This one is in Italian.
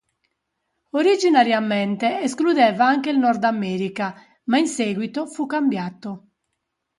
Originariamente escludeva anche il Nord America, ma in seguito fu cambiato.